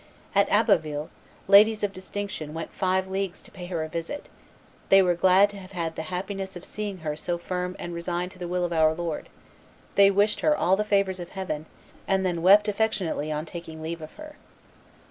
At Abbeville, ladies of distinction went five leagues to pay her a visit; they were glad to have had the happiness of seeing her so firm and resigned to the will of Our Lord; they wished her all the favors of heaven, and then wept affectionately on taking leave of her.